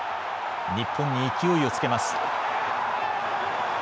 日本に勢いをつけます。